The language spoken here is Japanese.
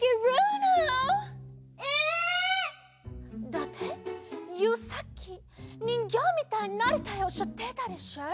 だってユーさっきにんぎょうみたいになりたいおっしゃってたでしょう？